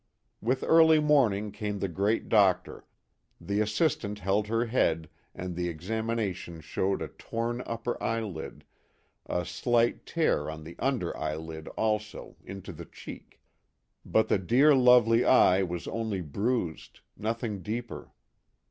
With early morning came the great doctor , the assistant held her head and the examina n 7 tion showed a torn upper eyelid, a slight tear on the under eyelid also, into the cheek ; but the dear lovely eye was only bruised nothing deeper.